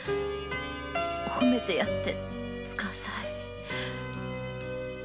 褒めてやってつかあさい。